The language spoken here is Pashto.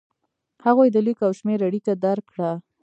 هغوی د لیک او شمېر اړیکه درک کړه.